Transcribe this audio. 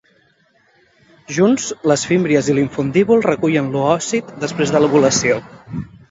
Junts, les fímbries i l'infundíbul recullen l'oòcit després de l'ovulació.